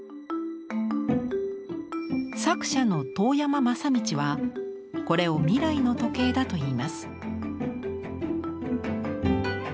作者の遠山正道はこれを未来の時計だと言います。